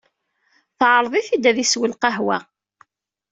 Teɛreḍ-it-id ad isew lqahwa.